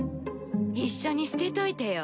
一緒に捨てといてよ。